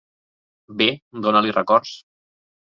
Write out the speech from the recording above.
Bé, dona-li records.